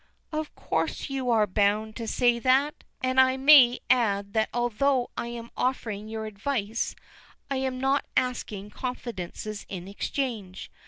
"Of course you are bound to say that, and I may add that although I am offering you advice I am not asking confidences in exchange.